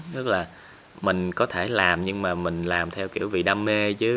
tức là mình có thể làm nhưng mà mình làm theo kiểu vì đam mê chứ